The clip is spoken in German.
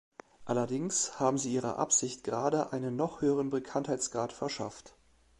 Allerdings haben Sie Ihrer Absicht gerade einen noch höheren Bekanntheitsgrad verschafft.